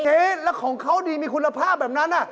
แล้วของเขาดีมีคุณภาพแบบนั้น